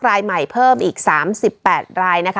รายใหม่เพิ่มอีก๓๘รายนะคะ